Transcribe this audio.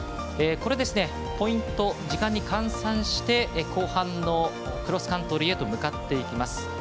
これのポイントを時間に換算して後半のクロスカントリーへと向かっていきます。